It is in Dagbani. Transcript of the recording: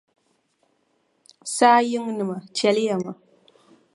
Saa yiŋnima chɛliya ma.